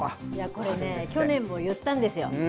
これね、去年も言ったんですよ。